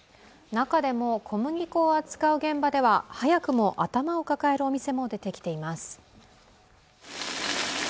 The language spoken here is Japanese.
中でも小麦粉を扱う現場では早くも頭を抱えるお店も出てきています。